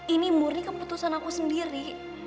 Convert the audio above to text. ini murni keputusan aku sendiri